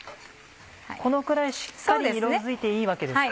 このくらいしっかり色づいていいわけですか。